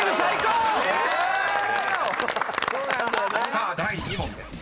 ［さあ第２問です］